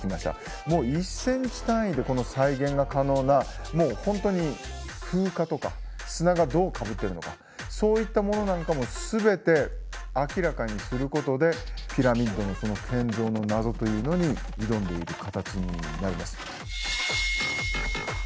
もう１センチ単位でこの再現が可能なもう本当に風化とか砂がどうかぶってるのかそういったものなんかも全て明らかにすることでピラミッドのこの建造の謎というのに挑んでいる形になります。